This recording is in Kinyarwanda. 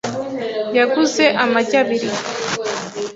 Yaguze amagi abiri .